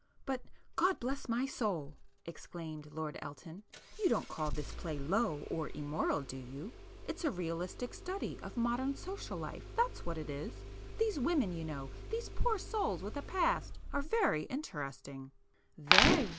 "But, God bless my soul!" exclaimed Lord Elton—"you don't call this play low or immoral do you? It's a realistic study of modern social life—that's what it is. These women you know,—these poor souls with a past—are very interesting!" "Very!"